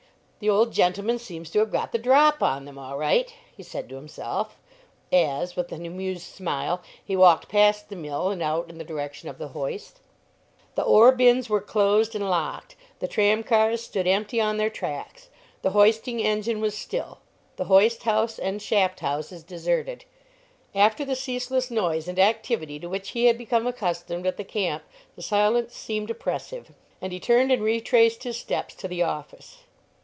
"The old gentleman seems to have got the 'drop' on them, all right!" he said to himself, as, with an amused smile, he walked past the mill and out in the direction of the hoist. The ore bins were closed and locked, the tram cars stood empty on their tracks, the hoisting engine was still, the hoist house and shaft houses deserted. After the ceaseless noise and activity to which he had become accustomed at the camp the silence seemed oppressive, and he turned and retraced his steps to the office.